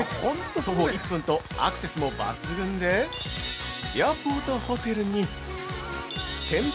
徒歩１分とアクセスも抜群でエアポートホテルに展望